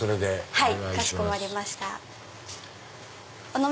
はい。